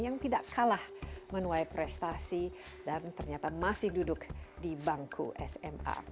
yang tidak kalah menuai prestasi dan ternyata masih duduk di bangku sma